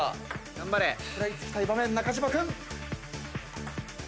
食らいつきたい場面中島君。